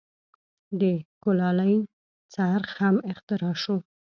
د کولالۍ څرخ هم اختراع شو.